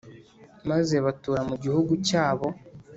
maze batura mu gihugu cyabo.) “‘